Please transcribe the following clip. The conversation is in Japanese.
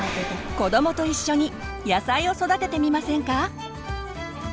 子どもと一緒に野菜を育ててみませんか？